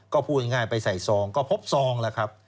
ก็พูดง่ายไปใส่ซองก็พบซองล่ะครับ